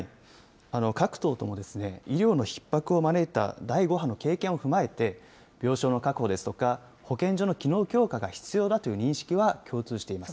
各党とも、医療のひっ迫を招いた第５波の経験を踏まえて、病床の確保ですとか、保健所の機能強化が必要だという認識は共通しています。